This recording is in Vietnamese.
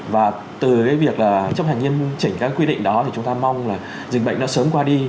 và từ cái việc là chấp hành nghiêm chỉnh các quy định đó thì chúng ta mong là dịch bệnh nó sớm qua đi